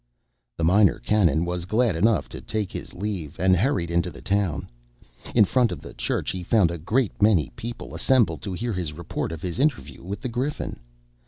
The Minor Canon was glad enough to take his leave, and hurried into the town. In front of the church he found a great many people assembled to hear his report of his interview with the Griffin.